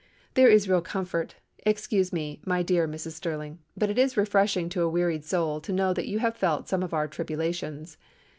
"There is real comfort,—excuse me, my dear Mrs. Sterling—but it is refreshing to a wearied soul to know that you have felt some of our tribulations.